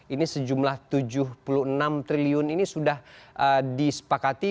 ini sejumlah rp tujuh puluh enam triliun ini sudah disepakati